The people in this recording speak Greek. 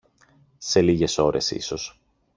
σε λίγες ώρες ίσως